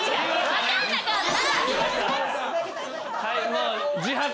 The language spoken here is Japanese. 分かんなかった！